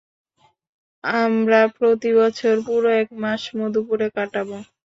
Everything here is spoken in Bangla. আমরা প্রতি বছর পুরো একমাস মধুপুরে কাটাবো।